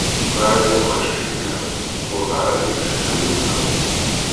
Mi ara ineqqec iger, wellah ar yif tayuga.